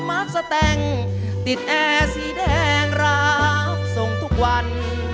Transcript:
มาร์คสแต่งติดแอร์สีแดงรับส่งทุกวัน